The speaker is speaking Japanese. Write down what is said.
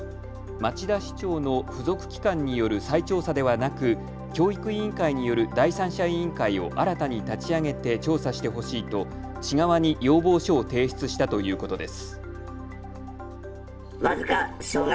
町田市長の付属機関による再調査ではなく教育委員会による第三者委員会を新たに立ち上げて調査してほしいと市側に要望書を提出したということです。